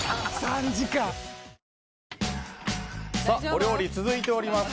お料理、続いております。